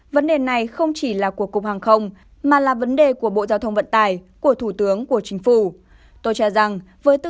vấn đề này không chỉ là của cục hàng không mà là vấn đề của bộ giao thông vận tải của thủ tướng của chính phủ